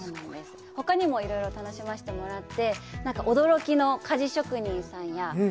ほかにもいろいろ楽しませてもらって、何か、驚きの鍛冶職人さんや。